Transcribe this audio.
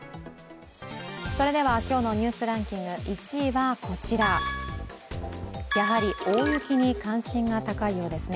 それでは今日の「ニュースランキング」１位はこちらやはり大雪に関心が高いようですね。